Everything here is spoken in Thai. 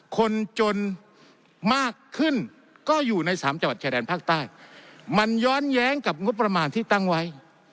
คนจนมากขึ้นก็อยู่ในสามจังหวัดชายแดนภาคใต้มันย้อนแย้งกับงบประมาณที่ตั้งไว้